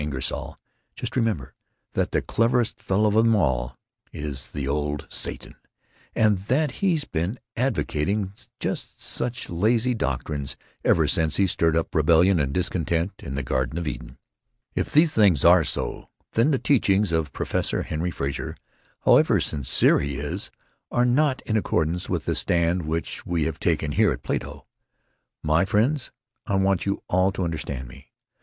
Ingersoll, just remember that the cleverest fellow of them all is the old Satan, and that he's been advocating just such lazy doctrines ever since he stirred up rebellion and discontent in the Garden of Eden! "If these things are so, then the teachings of Professor Henry Frazer, however sincere he is, are not in accordance with the stand which we have taken here at Plato. My friends, I want you all to understand me.